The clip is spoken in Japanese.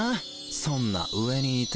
そんな上にいて。